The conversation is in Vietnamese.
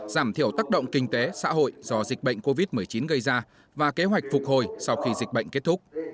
giảm thiểu tác động kinh tế xã hội do dịch bệnh covid một mươi chín gây ra và kế hoạch phục hồi sau khi dịch bệnh kết thúc